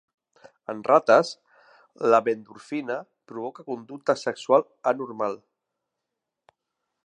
En rates, la β-endorfina provoca conducta sexual anormal.